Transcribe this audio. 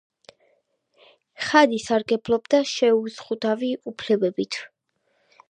ხანი სარგებლობდა შეუზღუდავი უფლებებით.